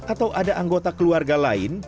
atau ada anggota keluarga lain